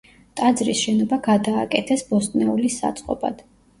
ტაძრის შენობა გადააკეთეს ბოსტნეულის საწყობად.